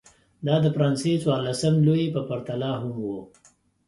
دا د فرانسې څوارلسم لويي په پرتله هم و.